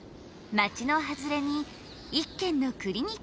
街の外れに１軒のクリニックがある。